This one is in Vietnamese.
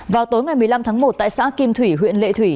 vào tối ngày một mươi năm tháng một tại xã kim thủy huyện lệ thủy